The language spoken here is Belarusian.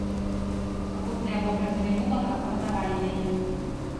Пакутныя вобразы мінулага апанавалі яе.